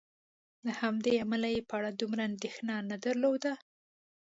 له همدې امله یې په اړه دومره اندېښنه نه درلودله.